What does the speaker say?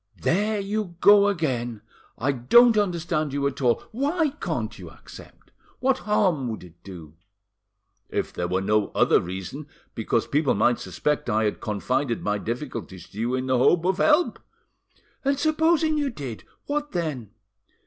"There you go again! I don't understand you at all! Why can't you accept? What harm would it do?" "If there were no other reason, because people might suspect that I confided my difficulties to you in the hope of help." "And supposing you did, what then?